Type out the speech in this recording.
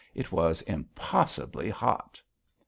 It was impossibly hot.